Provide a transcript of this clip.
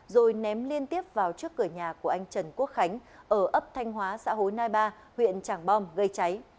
rồi ném liên tiếp vào trước cửa nhà của anh trần quốc khánh ở ấp thanh hóa xã hối nai ba huyện trảng bom gây cháy